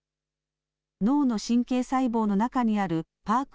脳の神経細胞の中にあるＰＡＲＫ